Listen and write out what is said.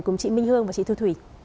cùng chị minh hương và chị thu thủy